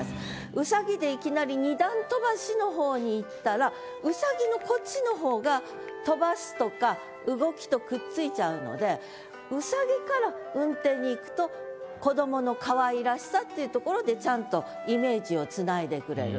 「うさぎ」でいきなり「二段飛ばし」の方にいったら「うさぎ」のこっちの方が「飛ばし」とか動きとくっついちゃうので「うさぎ」から「雲梯」にいくと子どもの可愛らしさっていうところでちゃんとイメージをつないでくれる。